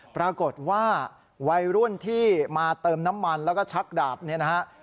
วัยรุ่นที่มาเติมน้ำมันแล้วก็ชักดาบเนี่ยนะฮะ